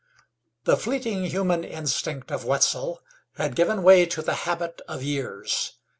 The fleeting human instinct of Wetzel had given way to the habit of years.